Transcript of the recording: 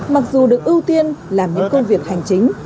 mặc dù được ưu tiên làm những công việc hành chính